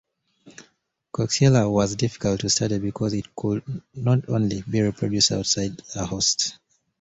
"Coxiella" was difficult to study because it could not be reproduced outside a host.